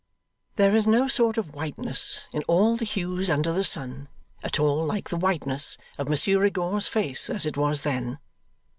There is no sort of whiteness in all the hues under the sun at all like the whiteness of Monsieur Rigaud's face as it was then.